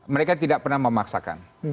mereka tidak pernah memaksakan